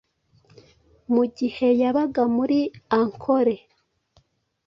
Mu gihe yabaga muri Ankole